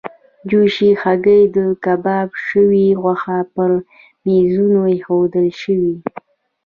جوشې هګۍ، کباب شوې غوښه پر میزونو ایښودل شوې.